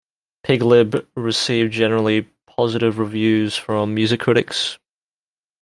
"Pig Lib" received generally positive reviews from music critics.